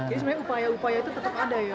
jadi sebenarnya upaya upaya itu tetap ada ya